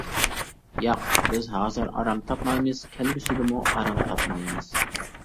ياق، بىز ھازىر ئارام تاپمايمىز، كەلگۈسىدىمۇ ئارام تاپمايمىز.